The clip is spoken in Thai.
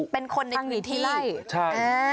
เป็นคนหนีที่ไล่